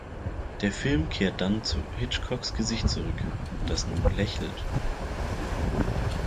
Der Film kehrt dann zu Hitchcocks Gesicht zurück, das nun lächelt.